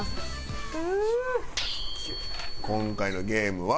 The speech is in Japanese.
今回のゲームは。